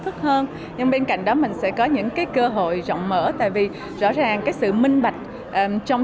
thức hơn nhưng bên cạnh đó mình sẽ có những cái cơ hội rộng mở tại vì rõ ràng cái sự minh bạch trong